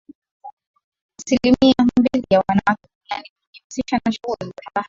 Asilimia mbili ya wanawake duniani hujihusisha na shughuli za bahari